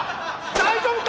大丈夫か？